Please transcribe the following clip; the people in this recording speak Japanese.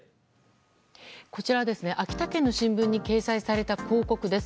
こちら、秋田県の新聞に掲載された広告です。